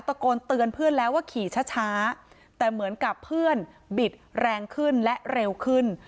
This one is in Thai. ตะโกนเตือนเพื่อนแล้วว่าขี่ช้าแต่เหมือนกับเพื่อนบิดแรงขึ้นและเร็วขึ้น